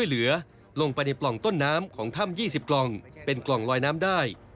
เหลือลงไปในปล่องต้นน้ำของถ้ำ๒๐กล่องเป็นกล่องลอยน้ำได้